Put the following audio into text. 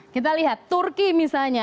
kita lihat turki misalnya